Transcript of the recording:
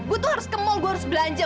gua tuh harus ke mall gua harus belanja